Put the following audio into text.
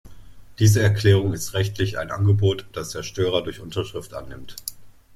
Diese Erklärung ist rechtlich ein Angebot, das der Störer durch Unterschrift annimmt.